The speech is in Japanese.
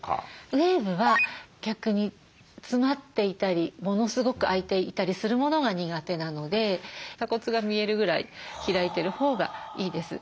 ウエーブは逆に詰まっていたりものすごく開いていたりするものが苦手なので鎖骨が見えるぐらい開いてるほうがいいです。